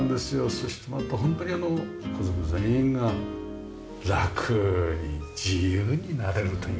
そしてまた本当に家族全員がラクに自由になれるというね。